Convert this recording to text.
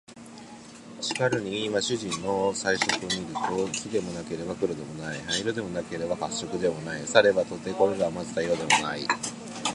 しかるに今主人の彩色を見ると、黄でもなければ黒でもない、灰色でもなければ褐色でもない、さればとてこれらを交ぜた色でもない